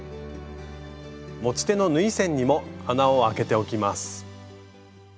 持ち手の縫い線にも穴をあけておきます。